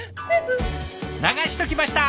流しときました！